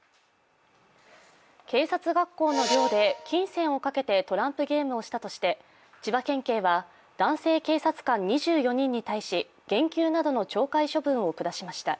警察学校の寮で金銭をかけてトランプゲームをしたとして千葉県警は男性警察官２４人に対し減給などの懲戒処分を下しました。